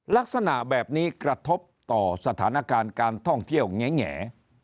ลักษณะแบบนี้กระทบต่อสถานการณ์การท่องเที่ยวแง่